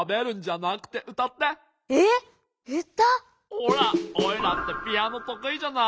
ほらオイラってピアノとくいじゃない？